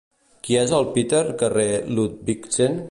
Qui és el Peter carrer Ludvigsen?